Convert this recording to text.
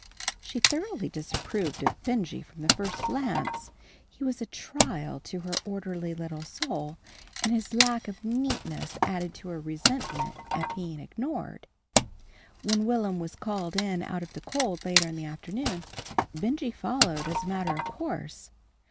She thoroughly disapproved of Benjy from the first glance. He was a trial to her orderly little soul, and his lack of neatness added to her resentment at being ignored. When Will'm was called in out of the cold later in the afternoon, Benjy followed as a matter of course.